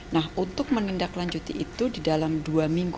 nah untuk menindaklanjuti itu di dalam dua minggu